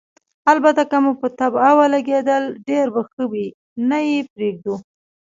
البته که مو په طبعه ولګېدل، ډېر به ښه وي، نه یې پرېږدو.